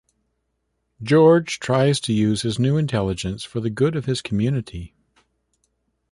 George tries to use his new intelligence for the good of his community.